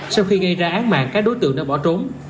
sau khi gây ra án mạng các đối tượng đã bỏ trốn